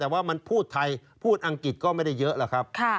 แต่ว่ามันพูดไทยพูดอังกฤษก็ไม่ได้เยอะหรอกครับ